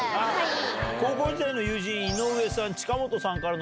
高校時代の友人、井上さん、えー。